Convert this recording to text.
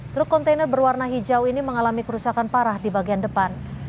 truk kontainer berwarna hijau ini mengalami kerusakan parah di bagian depan